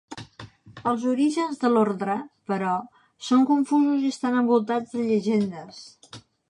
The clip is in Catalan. Els orígens de l'orde, però, són confusos i estan envoltats de llegendes.